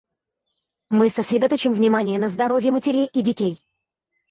Мы сосредоточим внимание на здоровье матерей и детей.